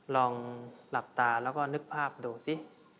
ลองหลับตาแล้วก็นึกภาพดูสิ